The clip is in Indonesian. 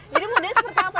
jadi modalnya seperti apa